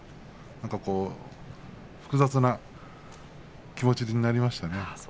なんか複雑な気持ちになりましたね。